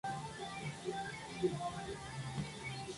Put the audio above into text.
La primera temporada de Masters of Sex recibió elogios de la crítica.